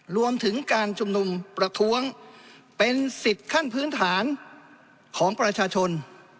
รวมถึงการชุมนุมประท้วงเป็นสิทธิ์ขั้นพื้นฐานของประชาชน